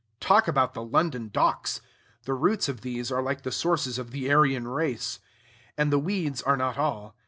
Talk about the London Docks! the roots of these are like the sources of the Aryan race. And the weeds are not all.